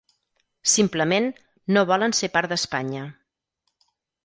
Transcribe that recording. Simplement, no volen ser part d’Espanya.